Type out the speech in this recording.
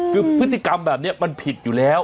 คือพฤติกรรมแบบนี้มันผิดอยู่แล้ว